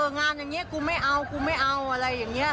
งานอย่างนี้กูไม่เอากูไม่เอาอะไรอย่างนี้